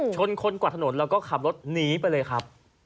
ชนคนกวาดถนนแล้วก็ขับรถหนีไปเลยครับ